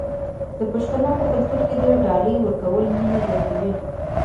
د پښتنو په کلتور کې د ډالۍ ورکول مینه زیاتوي.